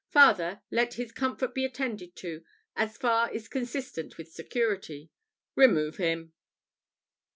Farther, let his comfort be attended to, as far as is consistent with security. Remove him!"